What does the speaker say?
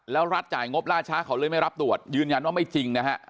แล้วรัฐจ่ายงบล่าช้าเขาเลยไม่รับตรวจยืนยันว่าไม่จริงนะฮะ